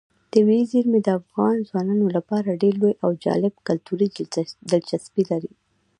طبیعي زیرمې د افغان ځوانانو لپاره ډېره لویه او جالب کلتوري دلچسپي لري.